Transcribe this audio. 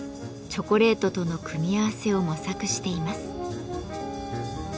チョコレートとの組み合わせを模索しています。